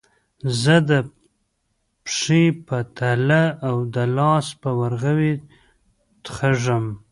زه د پښې په تله او د لاس په ورغوي تخږم